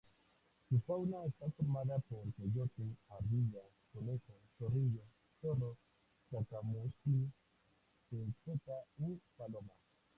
Su fauna está formada por coyote, ardilla, conejo, zorrillo, zorro, cacomixtle, cerceta u paloma.